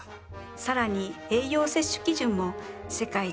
更に栄養摂取基準も世界一